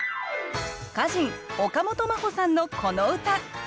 歌人岡本真帆さんのこの歌。